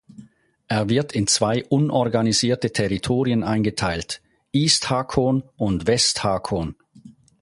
Er wird in zwei unorganisierte Territorien eingeteilt: East Haakon und West Haakon.